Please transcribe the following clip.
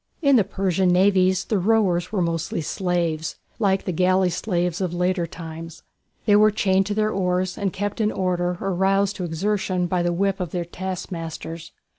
In the Persian navies the rowers were mostly slaves, like the galley slaves of later times. They were chained to their oars, and kept in order or roused to exertion by the whip of their taskmasters.